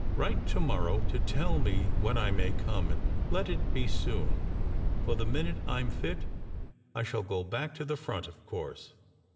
"Write to morrow to tell me when I may come, and let it be soon, for the minute I m fit I shall go back to the front, of course."